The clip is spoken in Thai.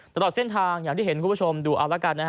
ตลอดเส้นทางอย่างที่เห็นคุณผู้ชมดูเอาละกันนะฮะ